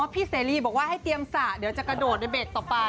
พี่เสรีบอกว่าให้เตรียมสระเดี๋ยวจะกระโดดในเบรกต่อไป